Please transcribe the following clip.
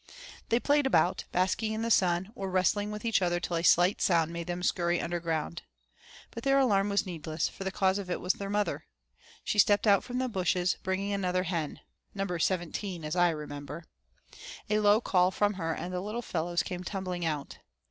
They played about, basking in the sun, or wrestling with each other till a slight sound made them scurry under ground. But their alarm was needless, for the cause of it was their mother; she stepped from the bushes bringing another hen number seventeen as I remember. A low call from her and the little fellows came tumbling out.